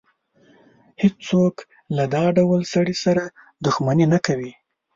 هېڅ څوک له دا ډول سړي سره دښمني نه کوي.